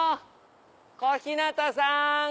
小日向さん！